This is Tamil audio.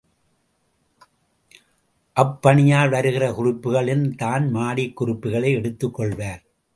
அப்பணியாள், வருகிற குறிப்புகளில் தன் மாடிக் குறிப்புகளை எடுத்துக் கொள்வார்.